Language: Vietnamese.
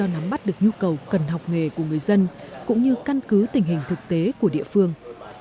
đó là do nắm bắt được nhu cầu cần học nghề của người dân cũng như căn cứ tình hình thực tế của địa phương